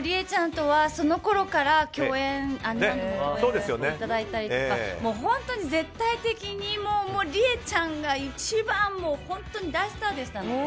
りえちゃんとは、そのころから共演させていただいたりとか絶対的にりえちゃんが一番大スターでしたね。